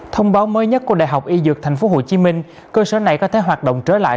thông báo mới nhất của đại học y dược tp hcm cơ sở này có thể hoạt động trở lại